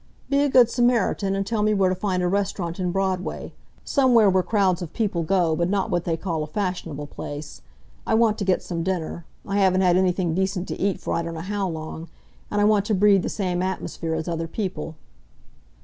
Be a Good Samaritan and tell me where to find a restaurant in Broadway, somewhere where crowds of people go but not what they call a fashionable place. I want to get some dinner I haven't had anything decent to eat for I don't know how long and I want to breathe the same atmosphere as other people."